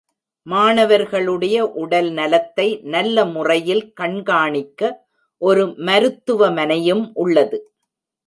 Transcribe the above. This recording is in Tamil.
மாணவர்களுடைய உடல் நலத்தை நல்ல முறையில் கண்காணிக்க ஒரு மருத்துவ மனையும் உள்ளது.